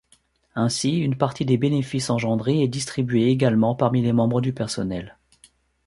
Ainsi, une partie des bénéfices engendrés est distribuée également parmi les membres du personnel.